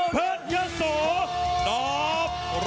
เพื่อชัลเฟียร์